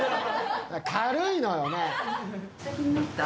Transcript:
軽いのよ。